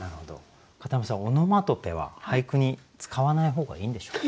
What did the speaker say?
片山さんオノマトペは俳句に使わない方がいいんでしょうか？